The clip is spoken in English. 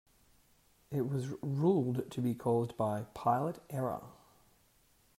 It was ruled to be caused by "pilot error".